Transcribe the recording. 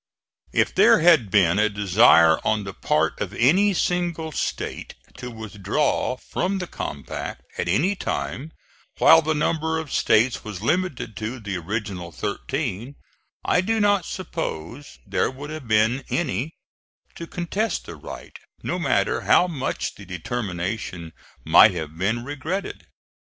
If there had been a desire on the part of any single State to withdraw from the compact at any time while the number of States was limited to the original thirteen, I do not suppose there would have been any to contest the right, no matter how much the determination might have been regretted.